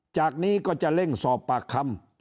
จากนี้ก็จะเร่งสอบปากคำ